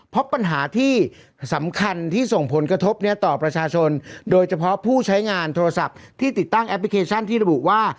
เพราะปัญหาที่สำคัญที่ส่งผลกระทบต่อประชาชนโดยเฉพาะผู้ใช้งานโทรศัพท์ที่ติดตั้งแอปพลิเคชันที่ระบุว่า